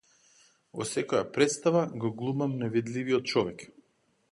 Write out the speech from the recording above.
Во секоја претстава го глумам невидливиот човек!